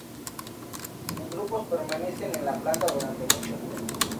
En grupos permanecen en la planta durante muchos meses.